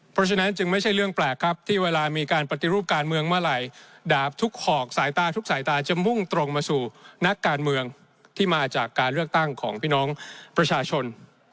เพราะฉะนั้นจึงไม่ใช่เรื่องแปลกครับที่เวลามีการปฏิรูปการเมืองเมื่อไหร่ดาบทุกหอกสายตาทุกสายตาจะมุ่งตรงมาสู่นักการเมืองที่มาจากการเลือกตั้งของพี่น้องประชาชน